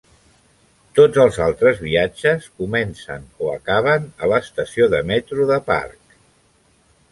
Tots els altres viatges comencen o acaben a l'estació de metro de Parc.